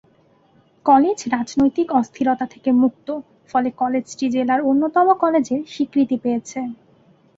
College রাজনৈতিক অস্থিরতা থেকে মুক্ত ফলে কলেজটি জেলার অন্যতম কলেজের স্বীকৃতি পেয়েছে।